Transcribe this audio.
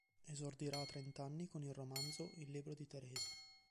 Esordirà a trent'anni con il romanzo "Il libro di Teresa".